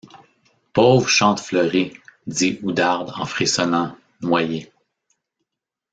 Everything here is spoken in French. Pauvre Chantefleurie! dit Oudarde en frissonnant, noyée !